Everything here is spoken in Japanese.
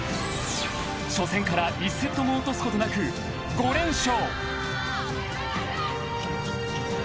［初戦から１セットも落とすことなく５連勝］